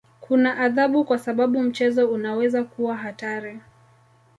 Kuna adhabu kwa sababu mchezo unaweza kuwa hatari.